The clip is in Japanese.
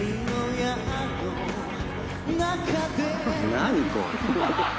何これ？